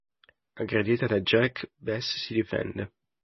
Aggredita da Jack, Bess si difende.